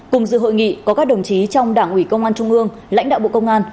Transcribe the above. cùng dự hội nghị có các đồng chí trong đảng ủy công an trung ương lãnh đạo bộ công an